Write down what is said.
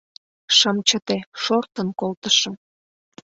Шым чыте, шортын колтышым...